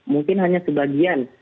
mungkin hanya sebagian